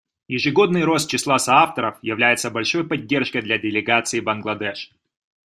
Ежегодный рост числа соавторов является большой поддержкой для делегации Бангладеш.